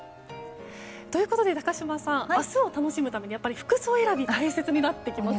ということで高島さん明日を楽しむために服装選びが大切になってきます。